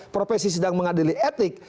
profesi sedang mengadili etik